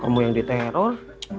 kamu yang diteror